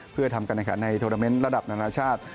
เพื่อทำการอันการณ์ในโทรเตอร์เมนต์ระดับนานาชาติ